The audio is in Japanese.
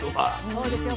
そうですよ。